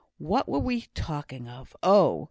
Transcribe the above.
What were we talking of? Oh!